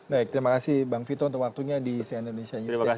baik terima kasih bang fiko untuk waktunya di cnn indonesia news day hari ini